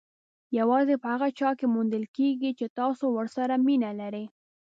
یوازې په هغه چا کې موندل کېږي چې تاسو ورسره مینه لرئ.